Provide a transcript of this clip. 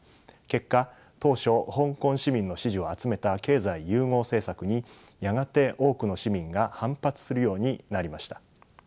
結果当初香港市民の支持を集めた経済融合政策にやがて多くの市民が反発するようになりました。